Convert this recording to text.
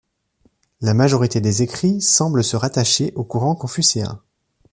La majorité des écrits semblent se rattacher au courant confucéen.